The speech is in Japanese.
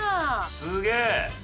すげえ！